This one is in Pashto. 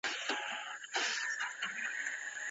ولي هوډمن سړی د لوستي کس په پرتله لاره اسانه کوي؟